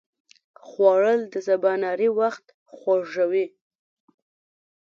خوړل د سباناري وخت خوږوي